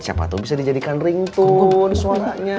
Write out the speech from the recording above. siapa tuh bisa dijadikan ringtone suaranya